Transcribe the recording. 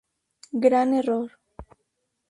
Gran error.